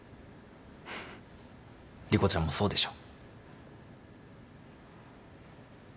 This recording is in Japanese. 莉子ちゃんもそうでしょ？